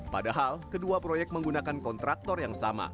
padahal kedua proyek menggunakan kontraktor yang sama